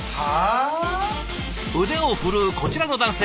腕を振るうこちらの男性。